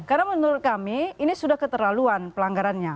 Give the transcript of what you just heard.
karena menurut kami ini sudah keterlaluan pelanggarannya